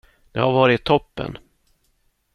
Det har varit toppen.